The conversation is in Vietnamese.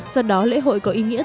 do đó lễ hội có ý nghĩa